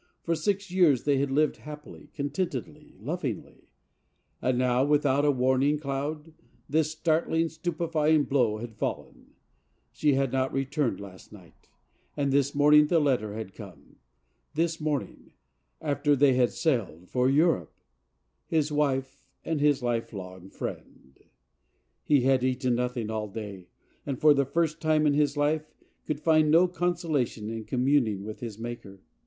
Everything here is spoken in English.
For six years they had lived happily, contentedly, lovingly; and now, without a warning cloud, this startling, stupefying blow had fallen. She had not returned last night, and this morning the letter had come. This morning —after they had sailed for Europe! His wife and his life long friend ! He had eaten nothing all day, and, for the first time in his life, could find no consolation in com¬ muning with his Maker.